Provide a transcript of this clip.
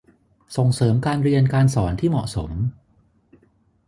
ส่งเสริมการเรียนการสอนที่เหมาะสม